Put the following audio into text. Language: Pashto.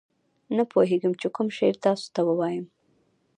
نه پوهېږم چې کوم شعر تاسو ته ووایم.